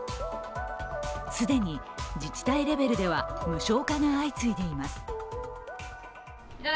既に自治体レベルでは無償化が相次いでいます。